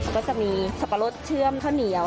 ก็จะมีสับปะรดเชื่อมข้าวเหนียว